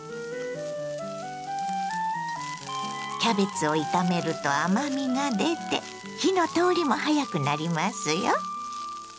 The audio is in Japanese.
キャベツを炒めると甘みが出て火の通りも早くなりますよ。